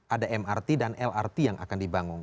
ada mrt dan lrt yang akan dibangun